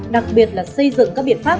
đặc biệt là xây dựng các biện pháp